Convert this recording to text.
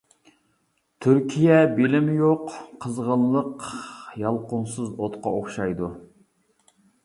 -تۈركىيە بىلىمى يوق قىزغىنلىق يالقۇنسىز ئوتقا ئوخشايدۇ.